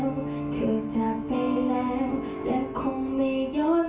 ใกล้แต่ฝากความคิดของฉันเอาไว้